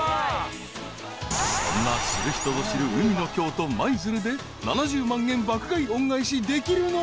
［そんな知る人ぞ知る海の京都舞鶴で７０万円爆買い恩返しできるのか？］